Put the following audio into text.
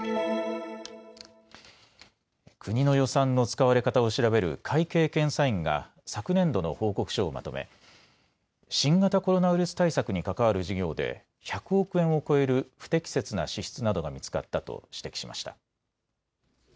国の予算の使われ方を調べる会計検査院が昨年度の報告書をまとめ新型コロナウイルス対策に関わる事業で１００億円を超える不適切な支出などが見つかったと指摘しました。